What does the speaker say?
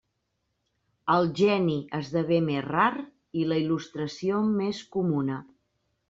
El geni esdevé més rar i la il·lustració més comuna.